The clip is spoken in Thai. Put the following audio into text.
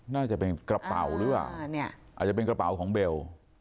น่าจะเป็นกระเป๋าหรือเปล่าอาจจะเป็นกระเป๋าของเบล